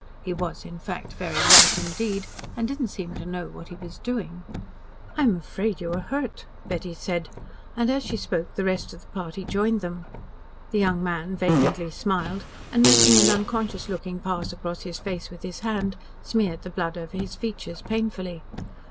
He was, in fact, very white indeed, and did not seem to know what he was doing. "I am afraid you are hurt," Betty said, and as she spoke the rest of the party joined them. The young man vacantly smiled, and making an unconscious looking pass across his face with his hand, smeared the blood over his features painfully.